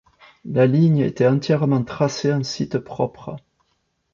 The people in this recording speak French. La ligne était entièrement tracée en site propre.